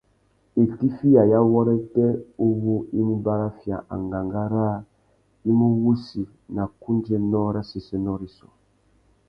Itiffiyénô ya wôrêtê uwú i mú baraffia angangá râā i mú wussi nà kundzénô râ séssénô rissú.